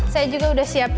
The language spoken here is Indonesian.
saya juga udah siapin